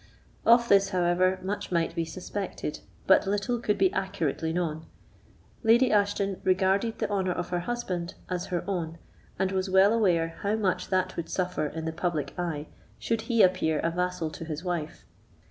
Of this, however, much might be suspected, but little could be accurately known: Lady Ashton regarded the honour of her husband as her own, and was well aware how much that would suffer in the public eye should he appear a vassal to his wife.